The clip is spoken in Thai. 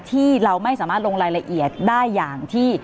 ที่เราไม่สามารถลงรายละเอียดได้อย่างที่